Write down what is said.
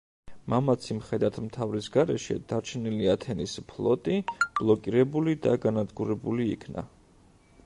მამაცი მხედართმთავრის გარეშე დარჩენილი ათენის ფლოტი ბლოკირებული და განადგურებული იქნა.